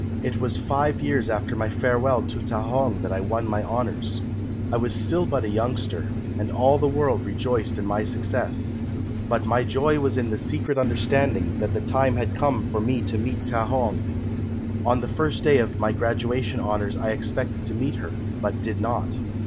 It was five years after my farewell to Ta hong that I won my honours. I was still but a youngster, and all the world rejoiced in my success. But my joy was in the secret understanding that the time had come for me to meet Ta hong. On the first day of my graduation honours I expected to meet her, but did not.